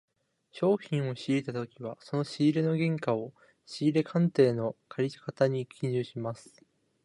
商品を仕入れたときはその仕入れ原価を、仕入れ勘定の借方に記入します。